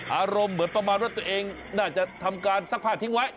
อารมณ์เหมือนประมาณว่าตัวเองน่าจะทำการซักผ้าทิ้งไว้